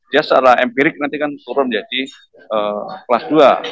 dia secara empirik nanti kan turun jadi kelas dua